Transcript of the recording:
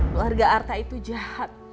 keluarga arta itu jahat